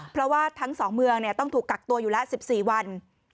เพราะว่าทั้งสองเมืองต้องถูกกักตัวอยู่ละ๑๔วัน